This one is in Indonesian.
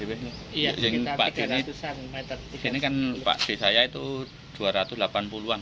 ini kan pak di saya itu dua ratus delapan puluh an